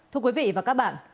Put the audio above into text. thưa quý vị và các bạn